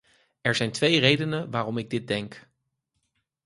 Er zijn twee redenen waarom ik dit denk.